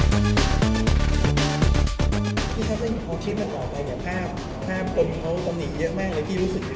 ขอเชิญลุงนี้ดีกว่าไม่ยอมลงรถ